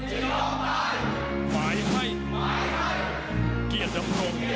จะยอมตายหมายให้เกียรติภูมิ